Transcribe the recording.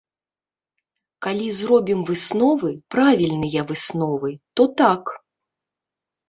Калі зробім высновы, правільныя высновы, то так!